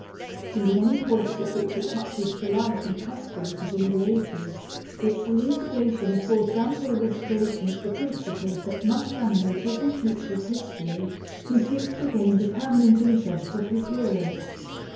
From the many points at which it touches the life and customs of the Middle Ages, its elucidation af fords ample illustration of the principles that must animate every teacher of history, who seeks to gain the permanent interest of his hearers.